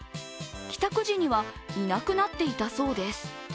帰宅時にはいなくなっていたそうです。